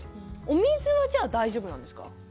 お水はじゃあ大丈夫なんですか？